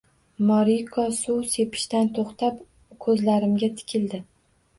Moriko suv sepishdan to‘xtab, ko‘zlarimga tikildi.